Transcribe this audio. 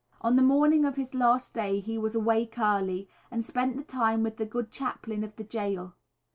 On the morning of his last day he was awake early and spent the time with the good chaplain of the gaol.